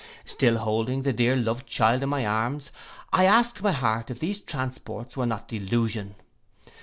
Still holding the dear loved child in my arms, I asked my heart if these transports were not delusion.